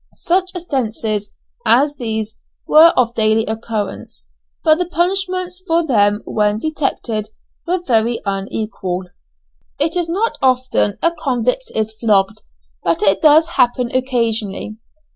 Such offences as these were of daily occurrence, but the punishments for them when detected were very unequal. It is not often a convict is flogged, but it does happen occasionally.